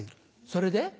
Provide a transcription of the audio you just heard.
それで？